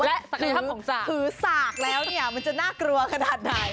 และศักยภาพของสากคือสากแล้วเนี่ยมันจะน่ากลัวขนาดไหน